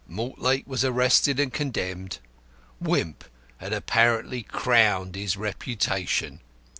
Mortlake was arrested and condemned. Wimp had apparently crowned his reputation.